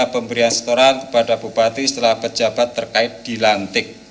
pemberian setoran kepada bupati setelah pejabat terkait dilantik